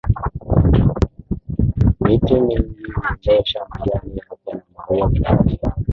miti mingi hudondosha majani yake na maua hutokea